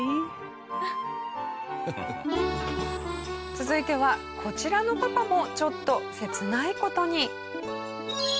続いてはこちらのパパもちょっと切ない事に。